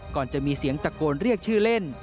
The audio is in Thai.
ก่อนจะมีเสียงตะโกนเรียกชื่อเล่น